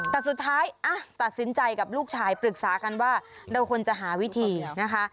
แต่สุดท้ายตัดสินใจกับลูกชายปรึกษากันว่าเราควรจะหาวิธีนะคะ